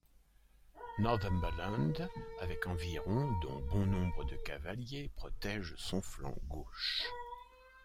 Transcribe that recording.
Northumberland, avec environ dont bon nombre de cavaliers, protège son flanc gauche.